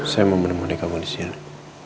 saya mau menemani kamu disini